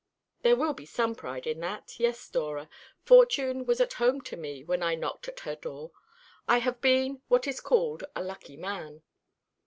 "There will be some pride in that. Yes, Dora, Fortune was at home to me when I knocked at her door. I have been what is called a lucky man."